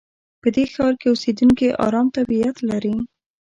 په دې ښار کې اوسېدونکي ارام طبیعت لري.